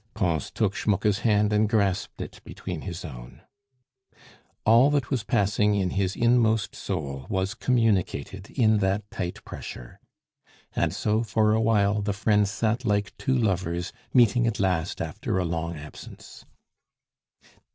Pons took Schmucke's hand and grasped it between his own. All that was passing in his inmost soul was communicated in that tight pressure. And so for awhile the friends sat like two lovers, meeting at last after a long absence.